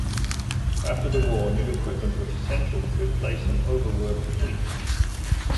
After the war, new equipment was essential to replace an over-worked fleet.